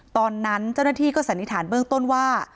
ตอนนั้นเจ้าหน้าที่ก็สันนิษฐานเบื้องต้นว่า